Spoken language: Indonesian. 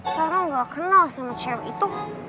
tata gak kenal sama cewek itu